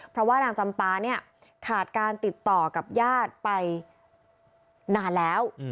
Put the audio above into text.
เพราะว่างนางจำปลาหาขาดการติดต่อกับญาติไปหนังแล้ว